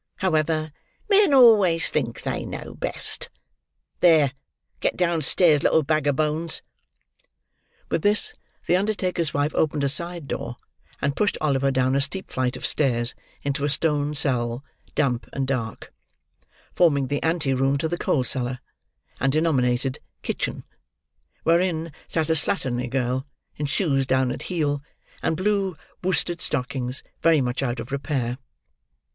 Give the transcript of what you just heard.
However, men always think they know best. There! Get downstairs, little bag o' bones." With this, the undertaker's wife opened a side door, and pushed Oliver down a steep flight of stairs into a stone cell, damp and dark: forming the ante room to the coal cellar, and denominated "kitchen"; wherein sat a slatternly girl, in shoes down at heel, and blue worsted stockings very much out of repair.